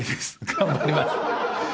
頑張ります。